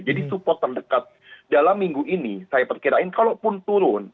jadi support terdekat dalam minggu ini saya perkirain kalaupun turun